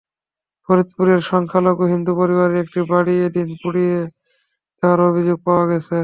ফরিদপুরে সংখ্যালঘু হিন্দু পরিবারের একটি বাড়ি এদিন পুড়িয়ে দেওয়ার অভিযোগ পাওয়া গেছে।